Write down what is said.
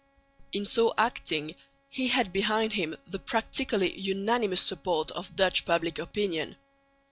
In so acting he had behind him the practically unanimous support of Dutch public opinion.